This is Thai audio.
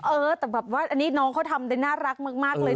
เออแต่แบบว่าอันนี้น้องเขาทำได้น่ารักมากเลย